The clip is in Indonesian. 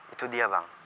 itu dia bang